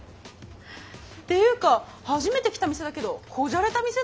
っていうか初めて来た店だけどこじゃれた店だね。